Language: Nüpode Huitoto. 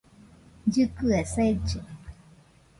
Llɨkɨe selle